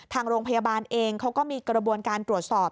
ทางโรงพยาบาลเองเขาก็มีกระบวนการตรวจสอบ